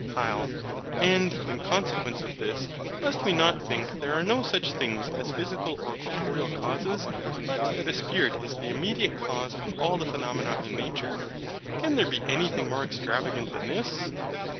HYL. And, in consequence of this, must we not think there are no such things as physical or corporeal causes; but that a Spirit is the immediate cause of all the phenomena in nature? Can there be anything more extravagant than this?